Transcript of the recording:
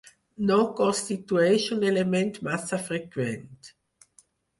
No constitueix un element massa freqüent.